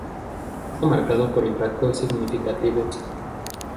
No está marcado por impactos significativos.